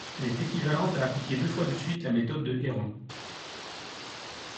Elle est équivalente à appliquer deux fois de suite la méthode de Héron.